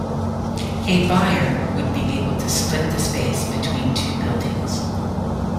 A buyer would be able to split the space between two buildings.